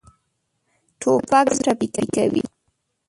توپک زړه ټپي کوي.